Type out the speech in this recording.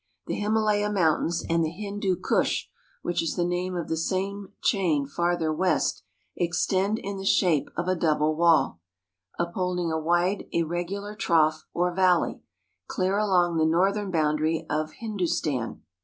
The Himalaya Mountains and the Hindu Kush, which is the name of the same chain farther west, extend in the IN THE HEART OF THE HIMALAYA MOUNTAINS 297 shape of a double wall, upholding a wide, irregular trough or valley, clear along the northern boundary of Hindustan.